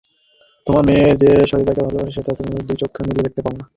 তোমার মেয়ে যে সতীশকে ভালোবাসে সেটা বুঝি তুমি দুই চক্ষু মেলে দেখতে পাও না!